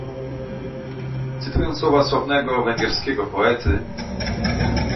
Cytując słowa sławnego węgierskiego poety